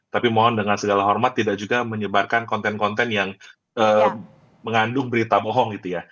tapi mohon dengan segala hormat tidak juga menyebarkan konten konten yang mengandung berita bohong gitu ya